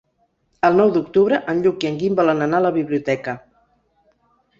El nou d'octubre en Lluc i en Guim volen anar a la biblioteca.